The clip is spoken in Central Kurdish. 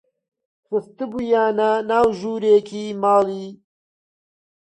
خستبوویانە ناو ژوورێکی لای ماڵێ